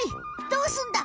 どうすんだ！